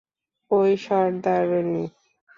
ওই, সর্দারনী!